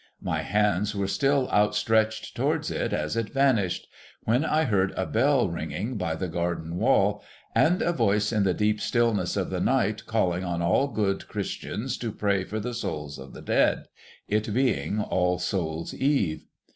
My hands were still outstretched towards it as it vanished, 96 THE HOLLY TREE when I heard a l)ell ringing by the garden wall, and a voice in the deep stiUness of the night caUing on all good Christians to pray for the souls of the dead ; it being All Souls' Eve.